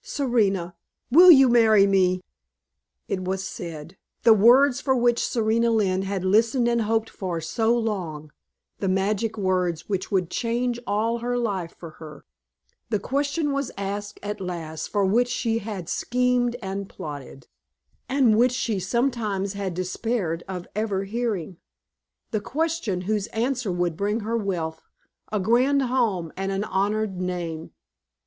Serena, will you marry me?" It was said; the words for which Serena Lynne had listened and hoped for so long, the magic words which would change all her life for her; the question was asked at last for which she had schemed and plotted, and which she sometimes had despaired of ever hearing; the question whose answer would bring her wealth, a grand home, and an honored name.